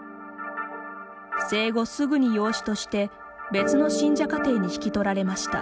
生後すぐに養子として別の信者家庭に引き取られました。